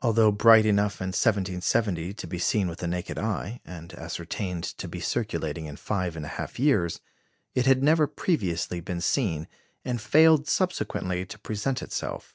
Although bright enough in 1770 to be seen with the naked eye, and ascertained to be circulating in five and a half years, it had never previously been seen, and failed subsequently to present itself.